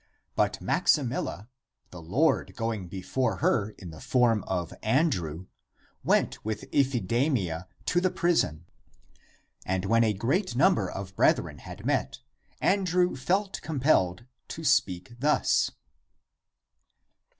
But Maximilla, the Lord going before her in the form of Andrew, went with Iphidamia to the prison. And when a greater number of brethren 212 THE APOCRYPHAL ACTS had met, Andrew felt compelled to speak thus: 15.